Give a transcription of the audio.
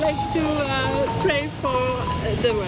รักษณะฉันอยู่ที่นี่